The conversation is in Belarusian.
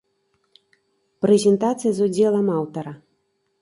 Прэзентацыя з удзелам аўтара.